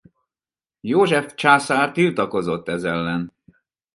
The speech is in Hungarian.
József császár tiltakozott ez ellen.